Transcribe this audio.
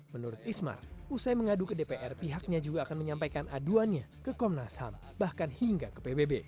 menurut ismar usai mengadu ke dpr pihaknya juga akan menyampaikan aduannya ke komnas ham bahkan hingga ke pbb